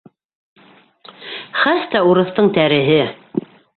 Хәс тә урыҫтың тәреһе!